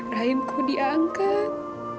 rahim kau diangkat